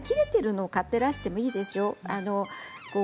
切れているのを買っていらしてもいいですよ。